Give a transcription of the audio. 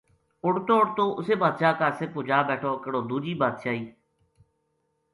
اُڈتو اُڈتو اسے بادشاہ کا سر پو جا بیٹھو کِہڑو دوجی بادشاہی